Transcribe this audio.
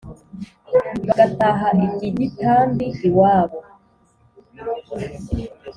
bagataha i gigitambi iwabo